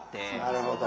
なるほど。